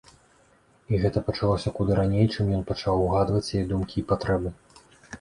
І гэта пачалося куды раней, чым ён пачаў угадваць яе думкі і патрэбы.